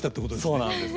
そうなんですはい。